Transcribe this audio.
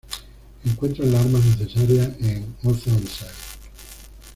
Encuentra las armas necesarias en Oceanside.